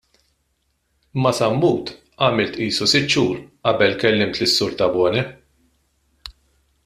Ma' Sammut għamilt qisu sitt xhur qabel kellimt lis-Sur Tabone.